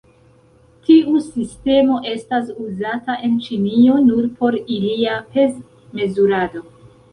Tiu sistemo estas uzata en Ĉinio nur por ilia pez-mezurado.